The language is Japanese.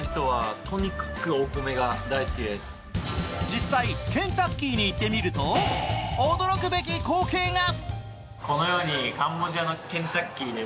実際、ケンタッキーに行ってみると驚くべき光景が。